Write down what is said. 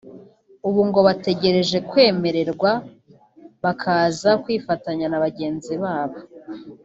ubu ngo bategereje kwemererwa bakaza kwifatanya na bagenzi babo